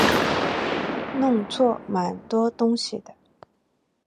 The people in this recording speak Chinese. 弄错蛮多东西的